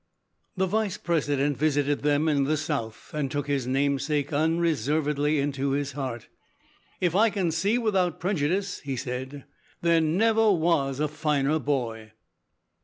The Vice President visited them in the South and took his namesake unreservedly into his heart. "If I can see without prejudice," he said, "there never was a finer boy."